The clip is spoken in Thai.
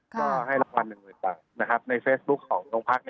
ก็ให้รวันนึงเลยครับในเฟสบุ๊คของลงพรรค